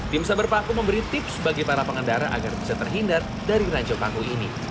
tim saber paku memberi tips bagi para pengendara agar bisa terhindar dari ranjau paku ini